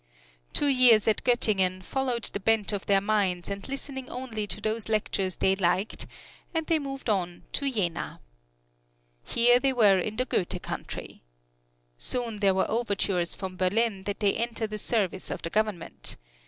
Two years at Gottingen, following the bent of their minds and listening only to those lectures they liked, and they moved on to Jena. Here they were in the Goethe country. Soon there were overtures from Berlin that they enter the service of the Government.